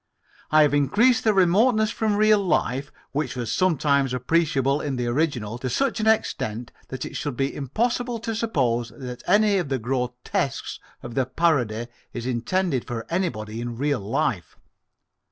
I have increased the remoteness from real life which was sometimes appreciable in the original to such an extent that it should be impossible to suppose that any of the grotesques of the parody is intended for anybody in real life.